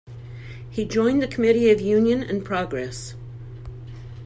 He joined the Committee of Union and Progress.